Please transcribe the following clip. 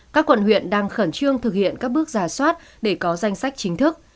các quận huyện đang khẩn trương thực hiện các bước giả soát để có danh sách chính thức